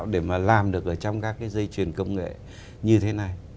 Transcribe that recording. để mà làm được ở trong các cái dây chuyền công nghệ như thế này